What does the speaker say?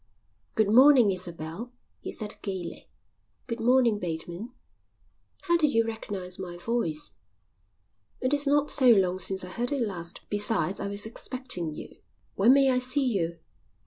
"Good morning, Isabel," he said gaily. "Good morning, Bateman." "How did you recognise my voice?" "It is not so long since I heard it last. Besides, I was expecting you." "When may I see you?"